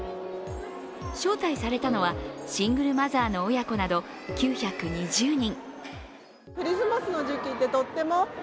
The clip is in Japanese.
招待されたのは、シングルマザーの親子など９２０人。